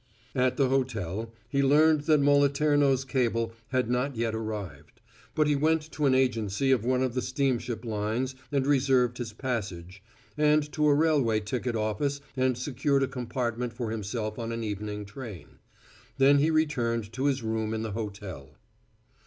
At the hotel, he learned that Moliterno's cable had not yet arrived; but he went to an agency of one of the steamship lines and reserved his passage, and to a railway ticket office and secured a compartment for himself on an evening train. Then he returned to his room in the hotel.